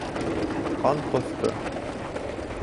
Ҡан ҡоҫто.